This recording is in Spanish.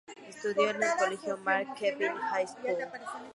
Estudió en el colegio Mark Keppel High School.